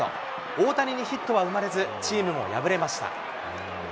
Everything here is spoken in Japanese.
大谷にヒットは生まれず、チームも敗れました。